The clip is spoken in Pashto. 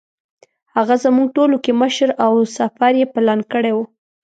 هغه زموږ ټولو کې مشر او سفر یې پلان کړی و.